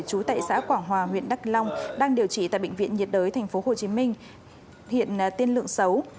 chú tại xã quảng hòa huyện đắk long đang điều trị tại bệnh viện nhiệt đới tp hcm hiện tiên lượng xấu